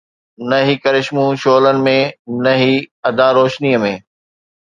نه هي ڪرشمو شعلن ۾، نه هي ادا روشنيءَ ۾